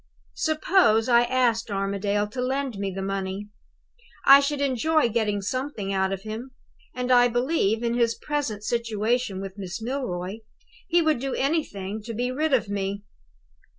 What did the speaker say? "Suppose I asked Armadale to lend me the money? I should enjoy getting something out of him; and I believe, in his present situation with Miss Milroy, he would do anything to be rid of me.